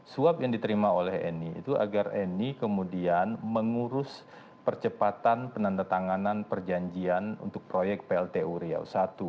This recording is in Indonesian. suap yang diterima oleh eni itu agar eni kemudian mengurus percepatan penandatanganan perjanjian untuk proyek plt uriau i